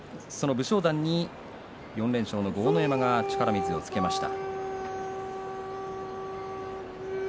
武将山に４連勝の豪ノ山が力水をつけました。